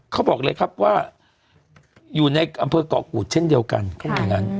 เขาบอกเลยครับว่าอยู่ในอำเภอกเกาะกูดเช่นเดียวกัน